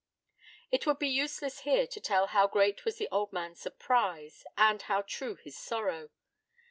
It would be useless here to tell how great was the old man's surprise and how true his sorrow.